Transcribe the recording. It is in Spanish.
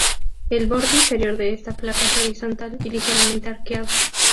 El borde inferior de esta placa es horizontal y ligeramente arqueado.